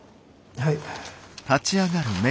はい。